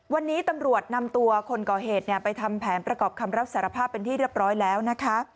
วันนี้ตำรวจนำตัวคนก่อเหตุไปทำแผนประกอบคำรับสารภาพเป็นที่เรียบร้อยแล้วนะคะ